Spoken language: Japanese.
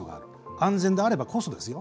安全であればこそですよ。